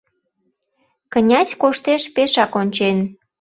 Князь коштеш пешак ончен;